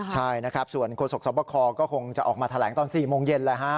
ใช่ส่วนโครสกสวบคก็คงจะออกมาแถลงตอน๔โมงเย็น